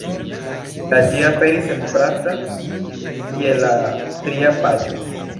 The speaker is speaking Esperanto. La ĝi aperis en «Pravda» je la tria paĝo.